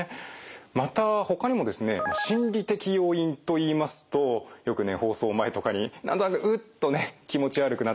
またほかにもですね心理的要因といいますとよくね放送前とかに何となくうっとね気持ち悪くなってくる。